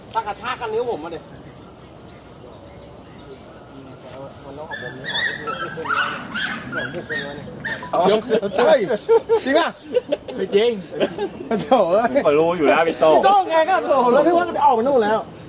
ถ้ากระชากกันนิ้วผมมาดิ